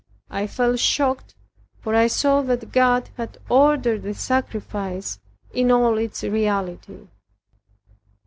I felt shocked, for I saw that God had ordered the sacrifice in all its reality.